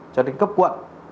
cho đến cấp quận